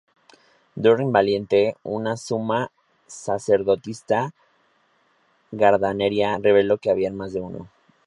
Doreen Valiente, una Suma Sacerdotisa Gardneriana, reveló que había más de uno.